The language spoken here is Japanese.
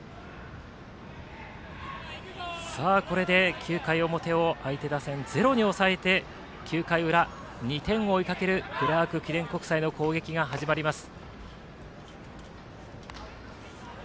これで９回表を相手打線ゼロに抑えて、９回裏２点を追いかけるクラーク記念国際の攻撃が始まります。